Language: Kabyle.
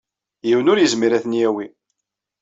Yiwen ur yezmir ad ten-yawey.